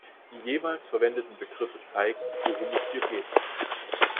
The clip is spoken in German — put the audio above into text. Die jeweils verwendeten Begriffe zeigen, worum es hier geht.